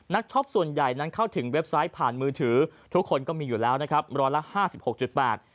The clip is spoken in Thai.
นักช็อปส่วนใหญ่นั้นเข้าถึงเว็บไซต์ผ่านมือถือทุกคนก็มีอยู่แล้วร้อยละ๕๖๘บาท